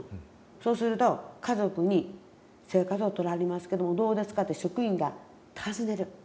そうすると家族に「生活保護取らはりますけどもどうですか」って職員が尋ねる。